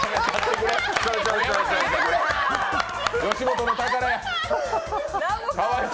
吉本の宝や。